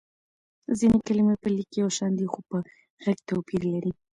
ځينې کلمې په ليک يو شان دي خو په غږ توپير لري.